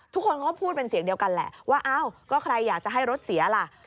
ทุกคนก็พูดเป็นเสียงเดียวกันแหละว่าอ้าวก็ใครอยากจะให้รถเสียล่ะ